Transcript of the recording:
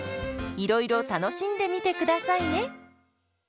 いろいろ楽しんでみてくださいね。